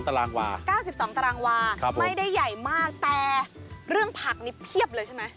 ตารางวา๙๒ตารางวาไม่ได้ใหญ่มากแต่เรื่องผักนี่เพียบเลยใช่ไหม